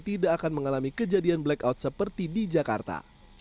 tidak akan mengalami kejadian blackout seperti di jakarta